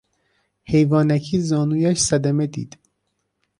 حیوانکی زانویش صدمه دید!